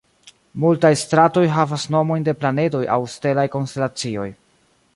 Multaj stratoj havas nomojn de planedoj aŭ stelaj konstelacioj.